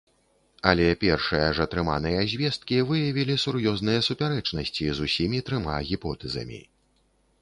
Але першыя ж атрыманыя звесткі выявілі сур'ёзныя супярэчнасці з усімі трыма гіпотэзамі.